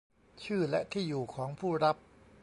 ชื่อและที่อยู่ของผู้รับ